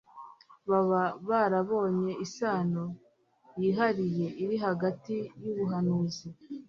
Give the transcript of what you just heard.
baba barabonye isano yihariye iri hagati y'ubuhanuzi